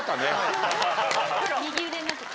右腕になってた。